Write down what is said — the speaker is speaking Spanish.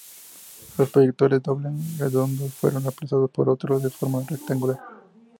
Los proyectores dobles redondos fueron reemplazados por otros de forma rectangular.